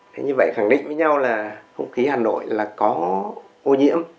thế như vậy khẳng định với nhau là không khí hà nội là có ô nhiễm